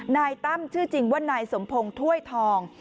ตั้มชื่อจริงว่านายสมพงศ์ถ้วยทอง